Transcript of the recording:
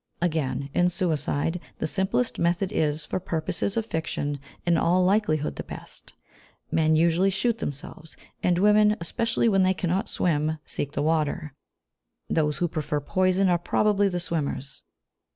Again, in suicide, the simplest method is, for purposes of fiction, in all likelihood the best. Men usually shoot themselves, and women, especially when they cannot swim, seek the water. Those who prefer poison are probably the swimmers.